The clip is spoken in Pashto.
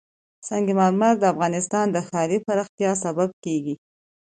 سنگ مرمر د افغانستان د ښاري پراختیا سبب کېږي.